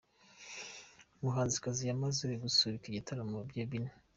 muhanzikazi yamaze gusubika ibitaramo bye bine.